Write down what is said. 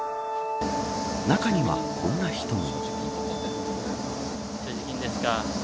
中にはこんな人も。